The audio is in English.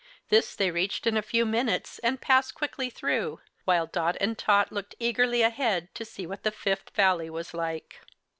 This they reached in a few minutes and passed quickly through, while Dot and Tot looked eagerly ahead to see what the Fifth Valley was like.